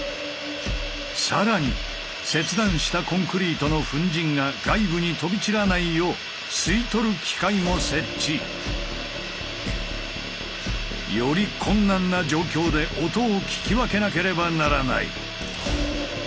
更に切断したコンクリートの粉じんが外部に飛び散らないよう吸い取る機械も設置。より困難な状況で音を聞き分けなければならない。